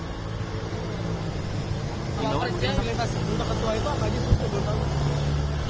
kalau kerja fasilitas untuk ketua itu apa aja itu